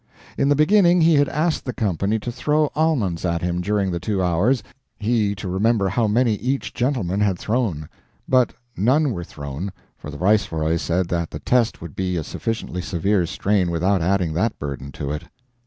In the beginning he had asked the company to throw almonds at him during the two hours, he to remember how many each gentleman had thrown; but none were thrown, for the Viceroy said that the test would be a sufficiently severe strain without adding that burden to it.